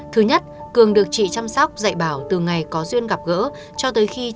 thứ nhất cường được chị chăm sóc dạy bảo từ ngày có duyên gặp gỡ